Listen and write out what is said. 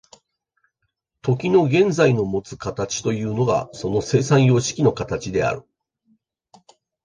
時の現在のもつ形というのがその生産様式の形である。